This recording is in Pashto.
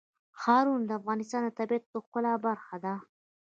ښارونه د افغانستان د طبیعت د ښکلا برخه ده.